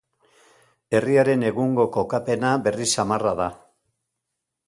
Herriaren egungo kokapena berri samarra da.